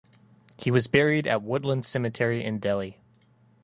He was buried at Woodland Cemetery in Delhi.